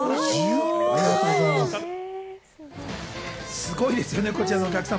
すごいですね、こちらのお客様。